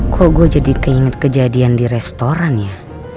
kok gue jadi keinget kejadian di restoran ya